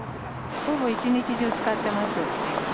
ほぼ一日中使ってます。